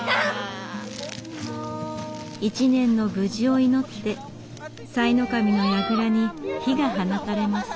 一年の無事を祈って賽の神のやぐらに火が放たれます。